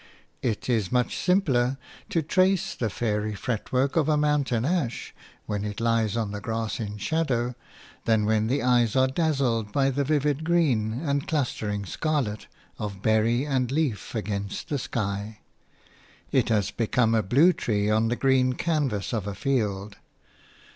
It is much simpler to trace the fairy fretwork of a mountain ash when it lies on the grass in shadow than when the eyes are dazzled by the vivid green and clustering scarlet of berry and leaf against the sky. It has become a blue tree on the green canvas of a field.